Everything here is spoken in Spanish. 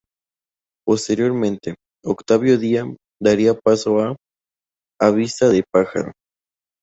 Posteriormente, "Octavo día" daría paso a "A vista de pájaro".